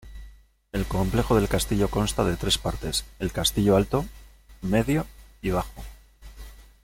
El complejo del castillo consta de tres partes: El castillo alto, medio y bajo.